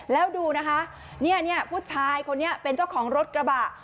แล้วดูนะคะเนี่ยผู้ชายคนนี้เป็นเจ้าของรถกระบะ